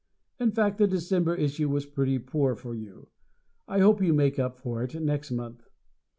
In fact, the December issue was pretty poor for you. I hope you make up for it next month.